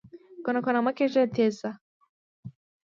کونه کونه مه کېږه، تېز ځه!